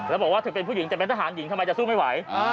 แล้วบอกว่าเธอเป็นผู้หญิงจะเป็นทหารหญิงทำไมจะสู้ไม่ไหว